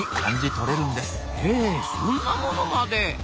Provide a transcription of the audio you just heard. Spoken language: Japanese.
へえそんなものまで。